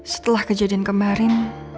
setelah kejadian kemarin